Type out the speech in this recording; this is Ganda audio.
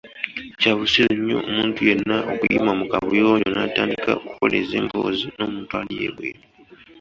Kya busiru nnyo omuntu yenna okuyima mu kabuyonjo natandika okukoleeza emboozi n‘omuntu ali ebweru.